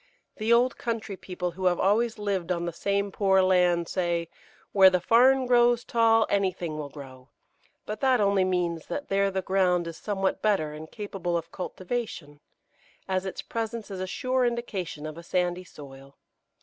The old country people who have always lived on the same poor land say, "Where the farn grows tall anything will grow"; but that only means that there the ground is somewhat better and capable of cultivation, as its presence is a sure indication of a sandy soil.